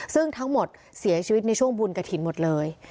ซึ่งทั้งหมดเสียชีวิตในช่วงบุญกระถิ่นหมดเลย